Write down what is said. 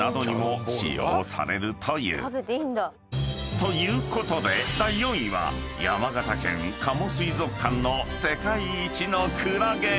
［ということで第４位は山形県加茂水族館の世界一のクラゲ］